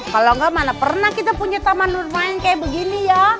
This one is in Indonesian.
kalau enggak mana pernah kita punya taman bermain kayak begini ya